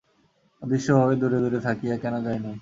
অদৃশ্যভাবে দূরে দূরে থাকিয়া কেন যায় নাই?